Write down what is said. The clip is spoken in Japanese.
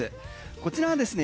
こちらですね